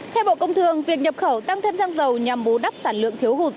theo bộ công thương việc nhập khẩu tăng thêm xăng dầu nhằm bú đắp sản lượng thiếu hụt